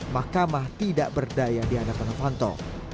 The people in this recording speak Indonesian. makamah tidak berdaya dihadapan novanto